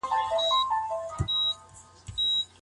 ابوالعاص د چا خاوند وو؟